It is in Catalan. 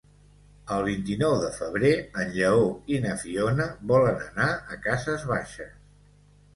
El vint-i-nou de febrer en Lleó i na Fiona volen anar a Cases Baixes.